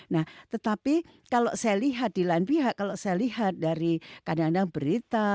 nah tetapi kalau saya lihat di lain pihak kalau saya lihat dari kadang kadang berita